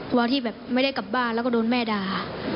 ที่แบบไม่ได้กลับบ้านแล้วก็โดนแม่ด่า